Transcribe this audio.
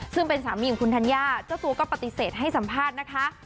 ซึ่งเป็นสามีของคุณธัญญาเจ้าตัวก็ปฏิเสธให้สัมภาษณ์นะคะ